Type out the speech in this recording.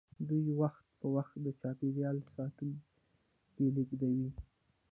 دوی وخت په وخت د چاپیریال ساتونکي لیږدوي